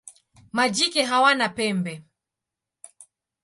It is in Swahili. Majike hawana pembe.